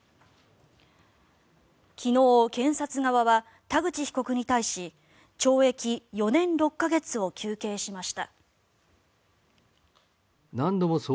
昨日、検察側は田口被告に対し懲役４年６か月を求刑しました。